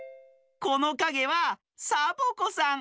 このかげはサボ子さん。